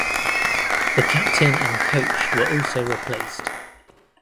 The captain and coach were also replaced.